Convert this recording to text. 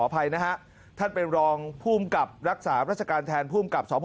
อภัยนะฮะท่านเป็นรองภูมิกับรักษาราชการแทนภูมิกับสพ